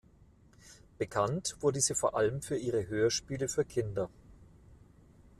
Bekannt wurde sie vor allem für ihre Hörspiele für Kinder.